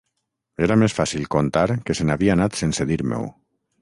Era més fàcil contar que se n'havia anat sense dir-m'ho.